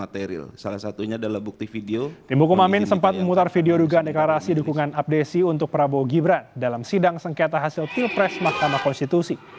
tim amin sempat memutar video dugaan deklarasi dukungan abdesi untuk prabowo gibran dalam sidang sengketa hasil pilpres mahkamah konstitusi